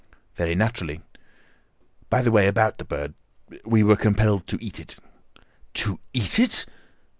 "Very naturally. By the way, about the bird, we were compelled to eat it." "To eat it!"